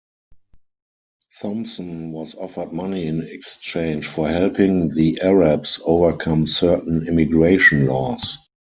Thompson was offered money in exchange for helping the Arabs overcome certain immigration laws.